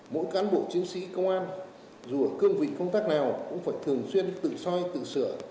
mỗi cán bộ chiến sĩ công an dù ở cương vị công tác nào cũng phải thường xuyên tự soi tự sửa